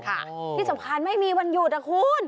ที่สำคัญไม่มีวันหยุดนะคุณ